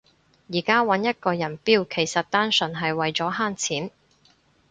而家搵一個人標其實單純係為咗慳錢